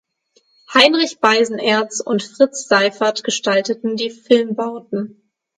Heinrich Beisenherz und Fritz Seyffert gestalteten die Filmbauten.